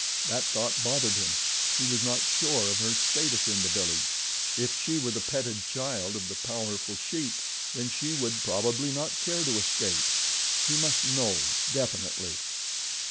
That thought bothered him. He was not sure of her status in the village. If she were the petted child of the powerful Sheik then she would probably not care to escape. He must know, definitely.